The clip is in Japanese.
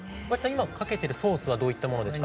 今かけてるソースはどういったものですか？